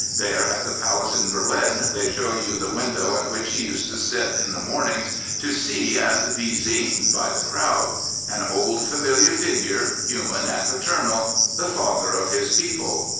There at the palace in Berlin they show you the window at which he used to sit in the mornings to see and be seen by the crowd — an old, familiar figure, human and paternal, the father of his people.